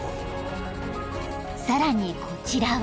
［さらにこちらは］